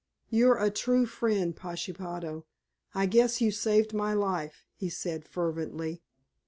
"You're a true friend, Pashepaho, I guess you saved my life," he said fervently.